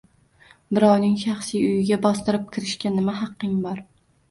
Birovning shaxsiy uyiga bostirib kirishga nima haqqing bor?